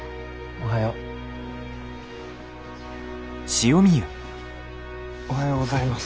おはようございます。